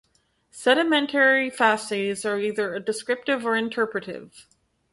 Sedimentary facies are either descriptive or interpretative.